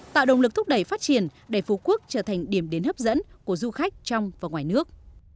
tạo động lực thúc đẩy phát triển để phú quốc trở thành điểm đến hấp dẫn của du khách trong và ngoài nước